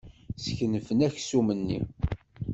Skenfen aksum-nni.